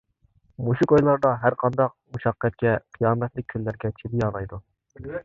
مۇشۇ كويلاردا ھەرقانداق مۇشەققەتكە، قىيامەتلىك كۈنلەرگە چىدىيالايدۇ.